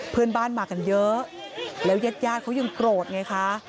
เพื่อนบ้านมากันเยอะแล้วยาดเขายังโกรธไงคะ